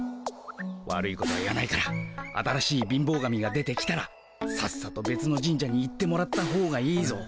悪いことは言わないから新しい貧乏神が出てきたらさっさとべつの神社に行ってもらったほうがいいぞ。